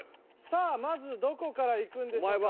さあまずどこからいくんでしょうか。